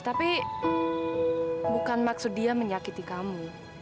tapi bukan maksud dia menyakiti kamu